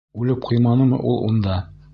Үлеп ҡуйманымы ул унда?